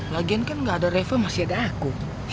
lagian kan gak ada reva masih ada aku